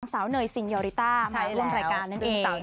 สาวเนยซิงยอริต้ามาร่วมรายการนั่นเอง